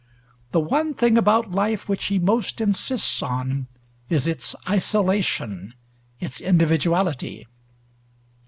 The one thing about life which he most insists on is its isolation, its individuality.